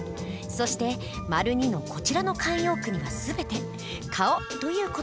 そして②のこちらの慣用句には全て「顔」という言葉が入ります。